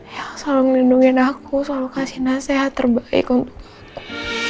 yang selalu nindungin aku selalu kasih nasihat terbaik untuk aku